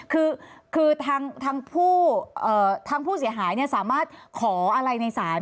คือทางผู้เสียหายสามารถขออะไรในศาล